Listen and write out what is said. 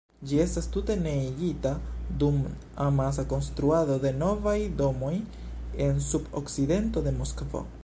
Ĝi estas tute neniigita dum amasa konstruado de novaj domoj en sud-okcidento de Moskvo.